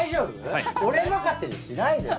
俺任せにしないでよ。